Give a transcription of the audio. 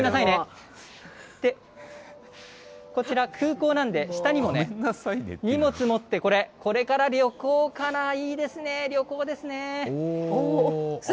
こちら、空港なんで、下にもね、荷物持って、これから旅行かな、いいですね、旅行ですね。